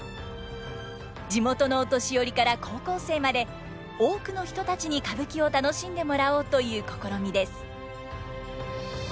地元のお年寄りから高校生まで多くの人たちに歌舞伎を楽しんでもらおうという試みです。